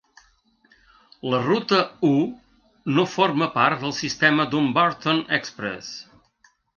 La Ruta U no forma part del sistema Dumbarton Express.